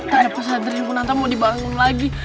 tak ada pasangan nanti aku nanti mau dibangun lagi